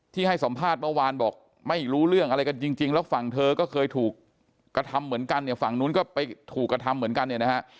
ให้สัมภาษณ์เมื่อวานบอกไม่รู้เรื่องอะไรกันจริงแล้วฝั่งเธอก็เคยถูกกระทำเหมือนกันเนี่ยฝั่งนู้นก็ไปถูกกระทำเหมือนกันเนี่ยนะฮะ